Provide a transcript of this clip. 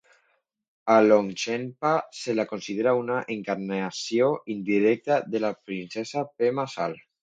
A Longchenpa se la considera una encarnació indirecta de la princesa Pema Sal.